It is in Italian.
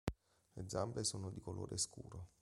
Le zampe sono di colore scuro.